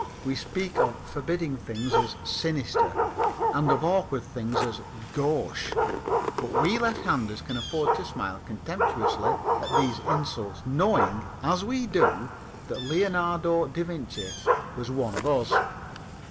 We speak of forbidding things as "sinister," and of awkward things as "gauche," but we lefthanders can afford to smile contemptuously at these insults knowing, as we do, that Leonardo da Vinci was one of us.